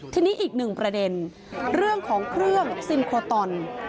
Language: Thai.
ทีนี้อีกหนึ่งประเด็นเรื่องของเครื่องซินโครตอน